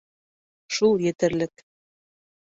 Шул етерлек.